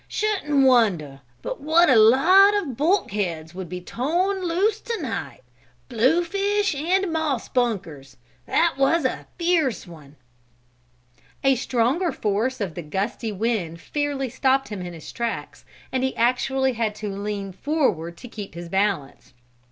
"Shouldn't wonder but what a lot of bulkheads would be torn loose to night. Bluefish and moss bunkers! That was a fierce one!" A stronger force of the gusty wind fairly stopped him in his tracks, and he actually had to lean forward to keep his balance.